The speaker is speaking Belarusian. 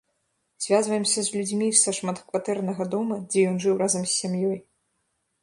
Звязваемся з людзьмі са шматкватэрнага дома, дзе ён жыў разам з сям'ёй.